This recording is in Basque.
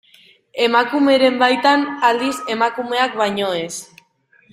Emakumeren baitan, aldiz, emakumeak baino ez.